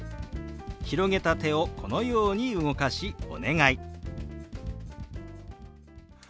広げた手をこのように動かし「お願い」。